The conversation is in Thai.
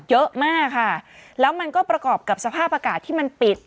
เยอะมากค่ะแล้วมันก็ประกอบกับสภาพอากาศที่มันปิด